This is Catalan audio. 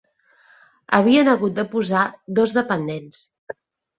Havien hagut de posar dos dependents